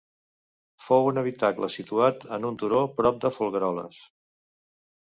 Fou un habitacle situat en un turó prop de Folgueroles.